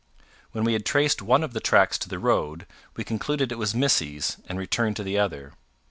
When we had traced one of the tracks to the road, we concluded it was Missy's, and returned to the other.